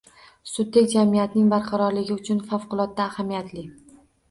Suddek jamiyatning barqarorligi uchun favqulodda ahamiyatli